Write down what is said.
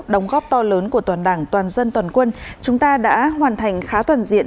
đồng góp to lớn của toàn đảng toàn dân toàn quân chúng ta đã hoàn thành khá toàn diện